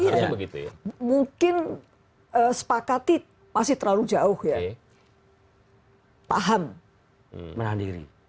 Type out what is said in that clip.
harusnya begitu ya iya mungkin sepakati masih terlalu jauh ya paham menahan diri